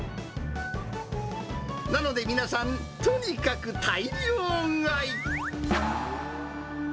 なので、皆さん、とにかく大量買い。